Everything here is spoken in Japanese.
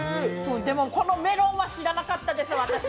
でもこのメロンは知らなかったです、私。